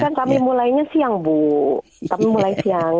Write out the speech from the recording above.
iya tapi kan kami mulainya siang bu kami mulai siang